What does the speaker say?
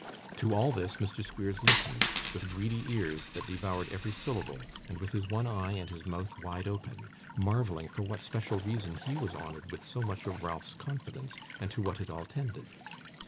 To all this Mr. Squeers listened, with greedy ears that devoured every syllable, and with his one eye and his mouth wide open: marvelling for what special reason he was honoured with so much of Ralph's confidence, and to what it all tended.